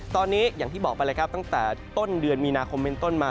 ตอนนี้อย่างที่บอกไปเลยครับตั้งแต่ต้นเดือนมีนาคมเป็นต้นมา